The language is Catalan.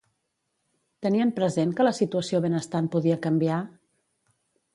Tenien present que la situació benestant podia canviar?